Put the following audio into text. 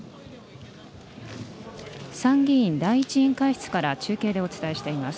参議院第１委員会室から中継でお伝えしています。